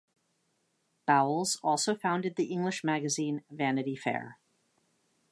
Bowles also founded the English magazine "Vanity Fair".